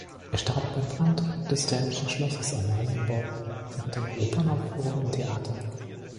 Er starb beim Brand des dänischen Schlosses Amalienborg während einer Opernaufführung im Theater.